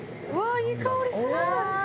いい香りする。